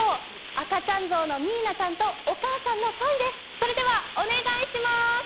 赤ちゃんゾウのミーナちゃんとお母さんのソイです。